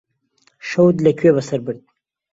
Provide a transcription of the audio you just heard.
شەوت لەکوێ بەسەر برد؟